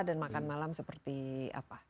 dan makan malam seperti apa